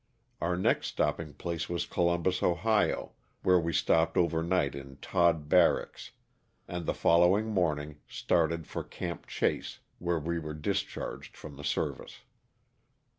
Our next stopping place was Columbus, Ohio, where we stopped over night in Tod Barracks, and the following morning started for Camp Chase'' where we were discharged from the service.